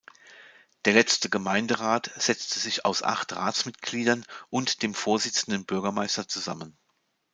Der letzte Gemeinderat setzte sich aus acht Ratsmitgliedern und dem vorsitzenden Bürgermeister zusammen.